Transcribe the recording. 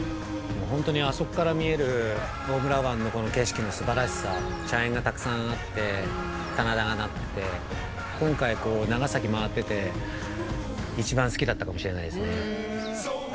ほんとにあそこから見えるも大村湾の景色のすばらしさ、茶園がたくさんあって、棚田がなって、今回長崎回ってて一番好きだったかもしれないです。